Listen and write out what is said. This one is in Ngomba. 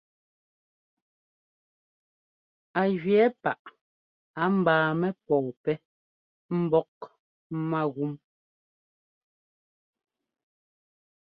Á jʉɛ̌ paʼ á ḿbáamɛ́ pɔ̂pɛ́ mbɔ́k mágúm.